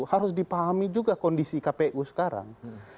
harus dipahami juga kondisi kpu sekarang